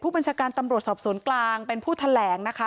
บัญชาการตำรวจสอบสวนกลางเป็นผู้แถลงนะคะ